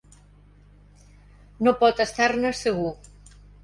No pot estar-ne segur.